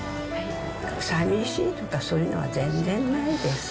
さみしいとか、そういうのは全然ないです。